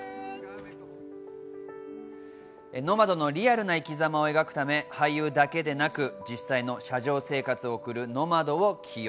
ノマドのリアルな生き様を描くため俳優だけではなく実際の車上生活を送るノマドを起用。